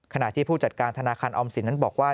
ขณะที่ผู้จัดการธนาคารออมสินนั้นบอกว่า